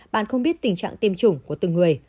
bạn không biết tình trạng tiêm chủng của từng người